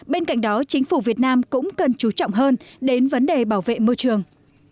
bên cạnh đó chính phủ việt nam cũng cần chú trọng hơn đến vấn đề bảo vệ môi trường